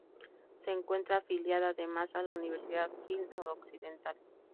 Se encuentra afiliada además a la Universidad Hill Noroccidental.